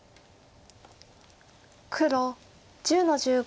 黒１０の十五。